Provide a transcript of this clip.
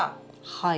はい。